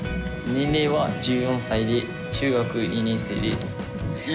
年齢は１４歳で中学２年生です。